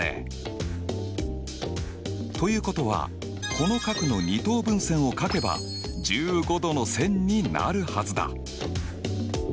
ということはこの角の二等分線を書けば１５°の線になるはずだ。